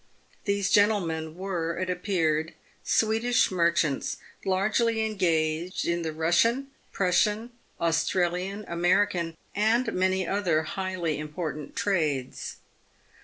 These gentlemen were, it ap peared, Swedish merchants, largely engaged in the Eussian, Prussian, Australian, American, and many other highly important trades.